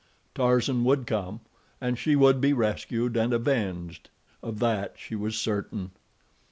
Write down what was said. Tarzan would come, and she would be rescued and avenged, of that she was certain.